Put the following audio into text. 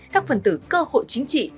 các phần tử cơ hội chính trị